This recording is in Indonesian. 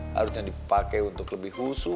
harusnya dipakai untuk lebih khusus